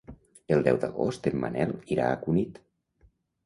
El deu d'agost en Manel irà a Cunit.